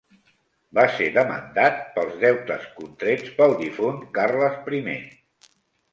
Va ser demandat pels deutes contrets pel difunt Carles Primer.